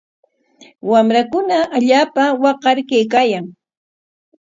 Wamrakuna allaapa waqar kaykaayan.